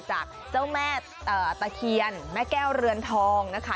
จากเจ้าแม่ตะเคียนแม่แก้วเรือนทองนะคะ